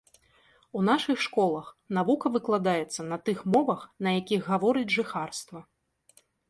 У нашых школах навука выкладаецца на тых мовах, на якіх гаворыць жыхарства.